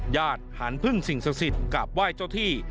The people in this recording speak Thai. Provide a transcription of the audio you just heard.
ญาติหารพึ่งสิ่งศักดิ์สิทธิ์กราบไหว้เจ้าที่